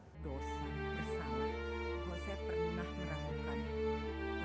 dosa bersalah dosa pernah merahmukannya